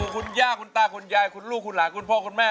คุณย่าคุณตาคุณยายคุณลูกคุณหลานคุณพ่อคุณแม่